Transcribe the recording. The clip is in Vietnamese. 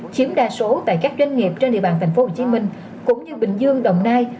chiếm đa số tại các doanh nghiệp trên địa bàn tp hcm cũng như bình dương đồng nai